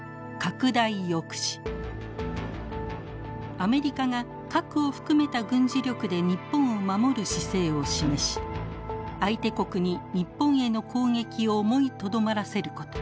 アメリカが核を含めた軍事力で日本を守る姿勢を示し相手国に日本への攻撃を思いとどまらせること。